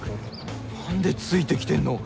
何でついてきてんの！？